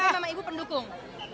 tapi sama ibu pendukung